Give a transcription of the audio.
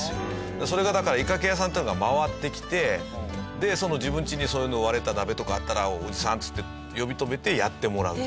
それがだから鋳掛屋さんっていうのが回ってきてでその自分ちにそういうの割れた鍋とかあったら「おじさん」っつって呼び止めてやってもらう。